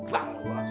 bangun lu asli